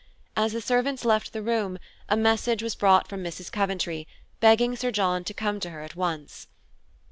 As the servants left the room, a message was brought from Mrs. Coventry, begging Sir John to come to her at once.